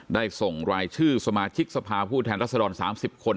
ส่งรายชื่อสมาชิกสภาผู้แทนรัศดร๓๐คน